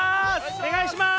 おねがいします！